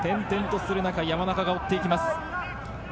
転々とする中、山中が追っていきます。